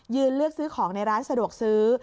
เลือกซื้อของในร้านสะดวกซื้อ